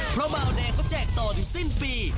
เพราะบาวแดงเขาแจกต่อถึงสิ้นปี